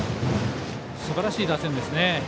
すばらしい打線ですね。